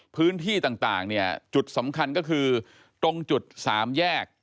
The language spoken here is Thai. พื้นที่ต่างเนี่ยจุดสำคัญก็คือตรงจุดสามแยก